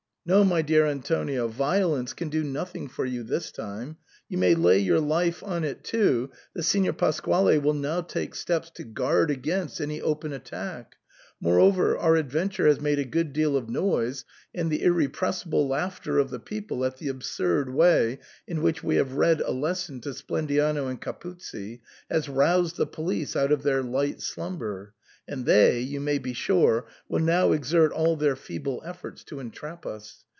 No, my dear Antonio, violence can do nothing for you this time. You may lay your life on it too that Signor Pas quale will now take steps to guard against any open at tack. Moreover, our adventure has made a good deal of noise, and the irrepressible laughter of the people at the absurd way in which we have rejad a lesson to Splendiano and Capuzzi has roused the police out of their light slumber, and they, you may be sure, will now exert all their feeble efforts to entrap us.